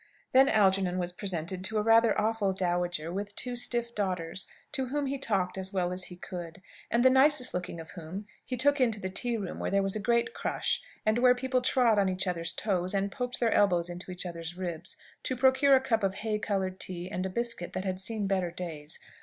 Then Algernon was presented to a rather awful dowager, with two stiff daughters, to whom he talked as well as he could; and the nicest looking of whom he took into the tea room, where there was a great crush, and where people trod on each other's toes, and poked their elbows into each other's ribs, to procure a cup of hay coloured tea and a biscuit that had seen better days.